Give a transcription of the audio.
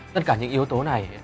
tất cả những yếu tố này